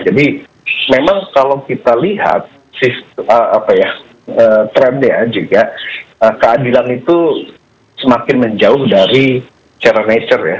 jadi memang kalau kita lihat trendnya juga keadilan itu semakin menjauh dari cara nature ya